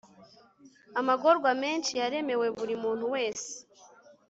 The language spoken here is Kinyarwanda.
amagorwa menshi yaremewe buri muntu wese